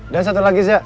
dan satu lagi zia